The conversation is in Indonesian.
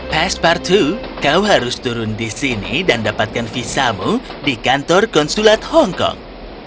pespartu kau harus turun di sini dan dapatkan visamu di kantor konsulat hongkong